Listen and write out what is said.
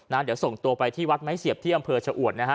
เดี๋ยวส่งตัวไปที่วัดไม้เสียบที่อำเภอชะอวดนะฮะ